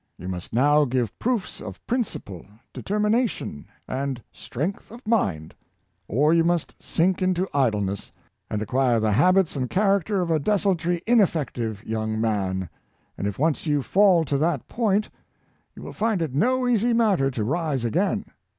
You must now give proofs of principle, determi nation, and strength of mind; or you must sink into idleness, and acquire the habits and character of a des ultory, ineffective young man; and if once you fall to that point, you will find it no easy matter to rise again.